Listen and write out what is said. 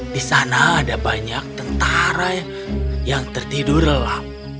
di sana ada banyak tentara yang tertidur lelap